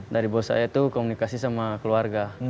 dari bos saya itu komunikasi sama keluarga